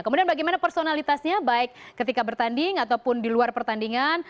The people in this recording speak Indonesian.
kemudian bagaimana personalitasnya baik ketika bertanding ataupun di luar pertandingan